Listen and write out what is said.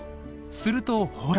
するとほら。